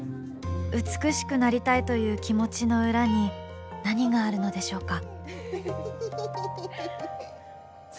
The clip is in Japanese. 美しくなりたいという気持ちの裏に何があるのでしょうか。